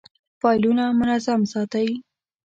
فایلونه منظم ساتئ؟